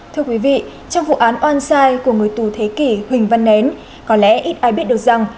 thưa quý vị trong vụ án oan sai của người tù thế kỷ huỳnh văn nén có lẽ ít ai biết được rằng